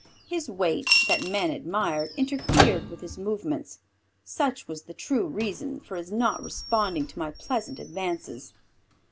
His weight, that men admired, interfered with his movements. Such was the true reason for his not responding to my pleasant advances.